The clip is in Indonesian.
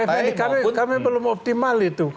pak effendi kami belum optimal itu